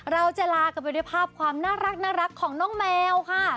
เราจะลากันไปด้วยภาพความน่ารักของน้องแมวค่ะ